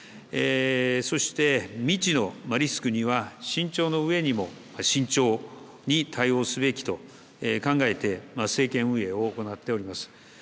そして、未知のリスクには慎重のうえにも慎重に対応すべきと考えて政権運営を行っています。